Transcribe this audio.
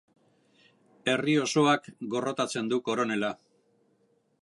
Herri osoak gorrotatzen du koronela.